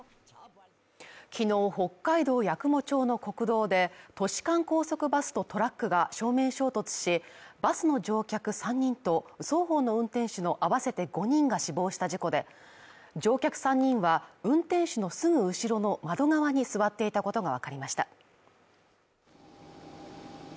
昨日北海道八雲町の国道で、都市間高速バスとトラックが照明衝突し、バスの乗客３人と、双方の運転手のあわせて５人が死亡した事故で、乗客３人は、運転手のすぐ後ろの窓側に座っていたことがわかりました。